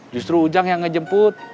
justru ujang yang ngejemput